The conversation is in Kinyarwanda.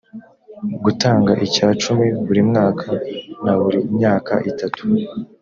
gutanga icya cumi buri mwaka na buri myaka itatu